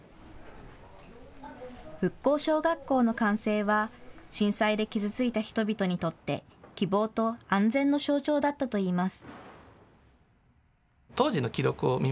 復興小学校の完成は震災で傷ついた人々にとって希望と安全の象徴だったといいます。